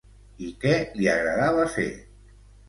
I què li agradava fer?